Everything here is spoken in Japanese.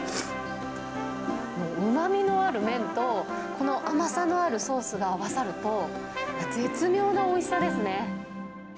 うまみのある麺と、この甘さのあるソースが合わさると、絶妙なおいしさですね。